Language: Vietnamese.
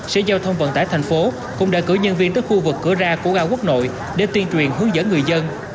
sở giao thông vận tải thành phố cũng đã cử nhân viên tới khu vực cửa ra của ga quốc nội để tuyên truyền hướng dẫn người dân